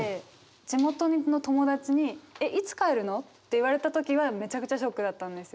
地元の友達に「いつ帰るの？」って言われた時はめちゃくちゃショックだったんですよ。